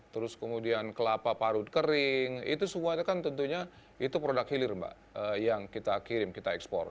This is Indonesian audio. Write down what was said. terus kemudian kelapa parut kering itu semuanya kan tentunya itu produk hilir mbak yang kita kirim kita ekspor